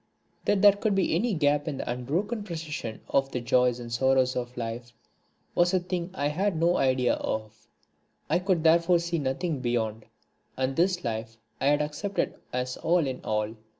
That there could be any gap in the unbroken procession of the joys and sorrows of life was a thing I had no idea of. I could therefore see nothing beyond, and this life I had accepted as all in all.